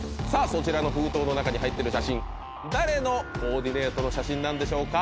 そちらの封筒の中に入ってる写真誰のコーディネートの写真なんでしょうか？